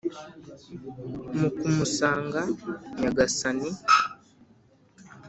mu kumusanga nya-gasani !